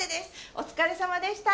お疲れさまでした。